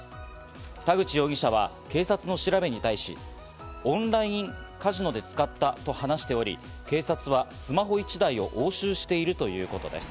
田口容疑者は警察の調べに対し、オンラインカジノで使ったと話しており、警察はスマホ１台を押収しているということです。